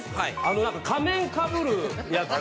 何か仮面かぶるやつ。